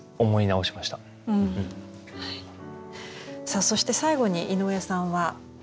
さあそして最後に井上さんは。